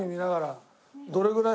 どれぐらい？